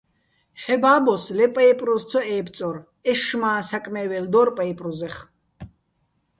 ჰ̦ე ბაბოს ლე პაჲპრუზ ცო ე́ბწორ - ეშშმაჼ საკმე́ველ დორ პაჲპრუზეხ.